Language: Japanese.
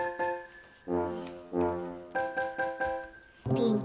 ピンク。